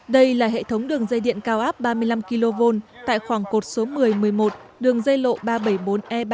đây là hệ thống đường dây điện cao áp ba mươi năm kv tại khoảng cột số một mươi một mươi một đường dây lộ ba trăm bảy mươi bốn e ba